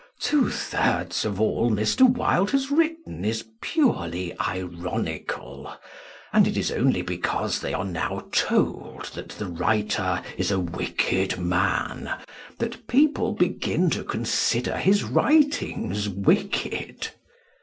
Two thirds of all Mr. Wilde has written is purely ironical, and it is only because they are now told that the writer is a wicked man that people begin to consider his writings wicked."